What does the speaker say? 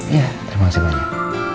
iya terima kasih banyak